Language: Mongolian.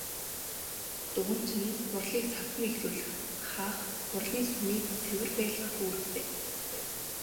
Дуганч нь хурлыг цагт нь эхлүүлэх, хаах, хурлын сүмийг цэвэр байлгах үүрэгтэй.